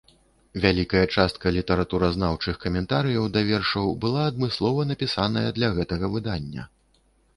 Вялікая частка літаратуразнаўчых каментарыяў да вершаў была адмыслова напісаная для гэтага выдання.